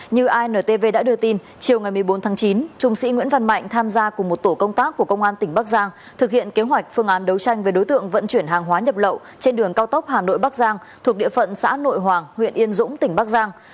như intv đã đưa tin chiều ngày một mươi bốn tháng chín trung sĩ nguyễn văn mạnh tham gia cùng một tổ công tác của công an tỉnh bắc giang thực hiện kế hoạch phương án đấu tranh về đối tượng vận chuyển hàng hóa nhập lậu trên đường cao tốc hà nội bắc giang thuộc địa phận xã nội hoàng huyện yên dũng tỉnh bắc giang